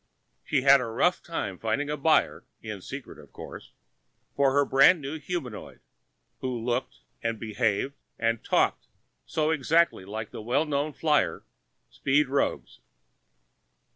She had a rough time finding a buyer (in secret, of course) for her brand new humandroid, who looked and behaved and talked so exactly like that well known flyer, Speed Roggs....